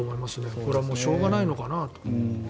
これはしょうがないのかなと。